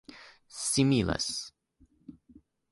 similas